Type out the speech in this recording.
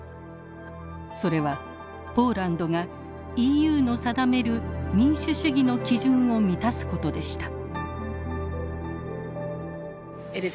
それはポーランドがＥＵの定める民主主義の基準を満たすことでした。